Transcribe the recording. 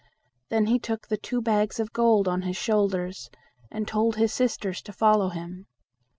Then he took the two bags of gold on his shoulders, and told his sisters to follow him.